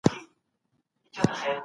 د انسان علم هغه ته د خلافت وړتيا ورکړه.